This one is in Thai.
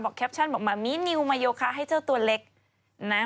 บอกแคปชั่นแบบแหมมี่นิวมาโยคะให้เจ้าตัวเล็กนะ